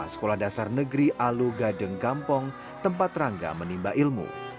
sama sekolah dasar negeri alu gading kampong tempat rangga menimba ilmu